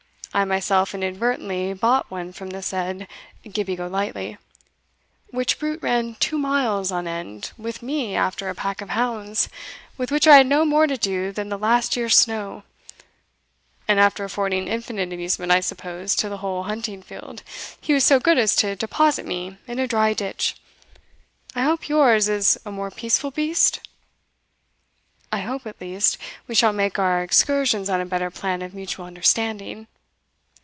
I myself inadvertently bought one from the said Gibbie Golightly, which brute ran two miles on end with me after a pack of hounds, with which I had no more to do than the last year's snow; and after affording infinite amusement, I suppose, to the whole hunting field, he was so good as to deposit me in a dry ditch I hope yours is a more peaceful beast?" "I hope, at least, we shall make our excursions on a better plan of mutual understanding."